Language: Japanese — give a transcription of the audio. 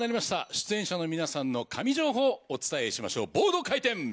出演者の皆さんの神情報お伝えしましょうボード回転！